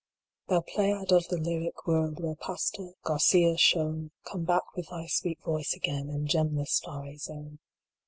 r THOU Pleiad of the lyric world Where Pasta, Garcia shone, Come back with thy sweet voice again, And gem the starry zone.